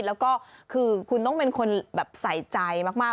แล้วก็คือคุณต้องเป็นคนแบบใส่ใจมาก